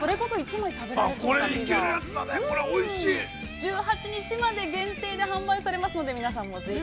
◆１８日まで限定で販売されますので皆さんもぜひ。